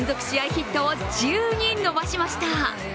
ヒットを１０に伸ばしました。